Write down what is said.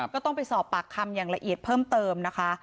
ก็ต้องไปสอบปากคำอย่างละเอียดเพิ่มเติมนะคะ